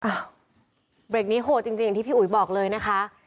อ้าวเบรกนี้โหดจริงที่พี่อุ๋ยบอกเลยนะคะ